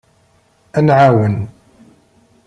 Ad nɛawen.